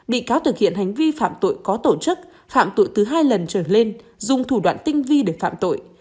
bị cáo thực hiện hành vi phạm tội có tổ chức phạm tội từ hai lần trở lên dùng thủ đoạn tinh vi để phạm tội